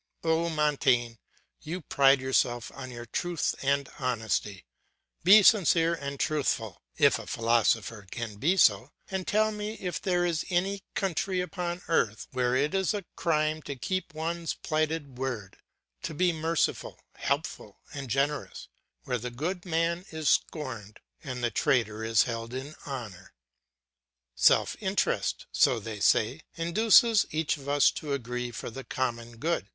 O Montaigne, you pride yourself on your truth and honesty; be sincere and truthful, if a philosopher can be so, and tell me if there is any country upon earth where it is a crime to keep one's plighted word, to be merciful, helpful, and generous, where the good man is scorned, and the traitor is held in honour. Self interest, so they say, induces each of us to agree for the common good.